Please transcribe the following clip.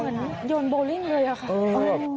เหมือนโยนโบลิ่นเลยค่ะ